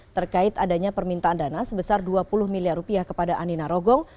terkait adanya permintaan dana sebesar dua puluh miliar rupiah kepada andi narogong